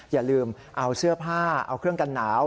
อย่าลืมเอาเสื้อผ้าเอาเครื่องกันหนาว